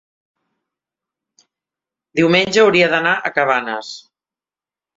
Diumenge hauria d'anar a Cabanes.